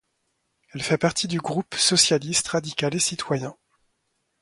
Elle fait partie du groupe Socialiste, radical et citoyen.